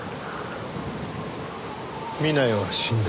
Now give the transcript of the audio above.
南井は死んだ。